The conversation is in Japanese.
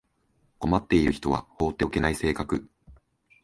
困っている人は放っておけない性格